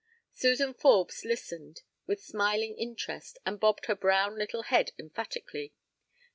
Suzan Forbes listened with smiling interest and bobbed her brown little head emphatically.